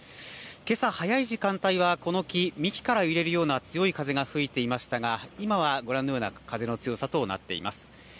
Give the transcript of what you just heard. けさ早い時間帯はこの木、幹から揺れるような強い風が吹いていましたが今はご覧のような風の強さとなっています。